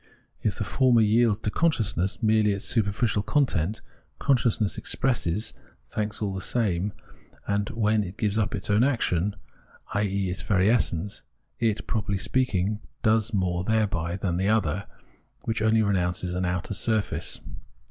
If the former yields to con sciousness merely its superficial content, consciousness expresses thanks all the same, and when it gives up its own action, i.e. its very essence, it, properly speaking, does more thereby than the other, which only renounces an outer surface.